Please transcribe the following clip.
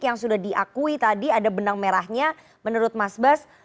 yang sudah diakui tadi ada benang merahnya menurut mas bas